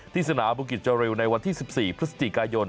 สนามบุกิจเจอริวในวันที่๑๔พฤศจิกายน